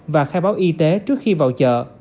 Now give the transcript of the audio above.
và khai báo y tế trước khi vào chợ